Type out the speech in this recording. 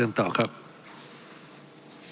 ท่านประธานครับผมกินเวลาของพวกเราเองครับ